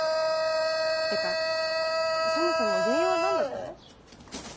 ってかそもそも原因は何だったの？